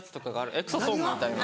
エクソソームみたいな。